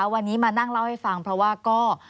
วันนี้มานั่งเล่าให้ฟังเพราะว่าก็